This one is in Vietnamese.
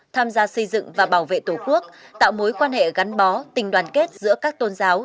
tham gia xây dựng và bảo vệ tổ quốc tạo mối quan hệ gắn bó tình đoàn kết giữa các tôn giáo